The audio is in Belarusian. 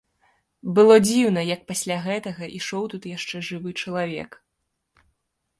Было дзіўна, як пасля гэтага ішоў тут яшчэ жывы чалавек.